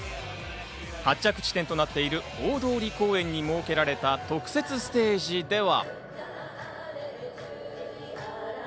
発着地点となっている大通公園に設けられた特設ステージでは。